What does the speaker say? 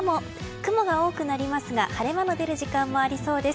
雲が多くなりますが晴れ間の出る時間もありそうです。